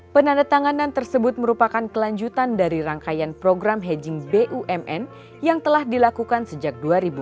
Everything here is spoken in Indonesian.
penandatanganan tersebut merupakan kelanjutan dari rangkaian program hedging bumn yang telah dilakukan sejak dua ribu enam belas